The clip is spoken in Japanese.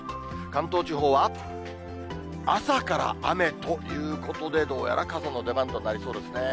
関東地方は、朝から雨ということで、どうやら傘の出番となりそうですね。